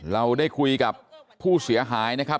เราได้คุยกับผู้เสียหายนะครับ